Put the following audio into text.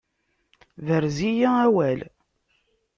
Berz-iyi awal!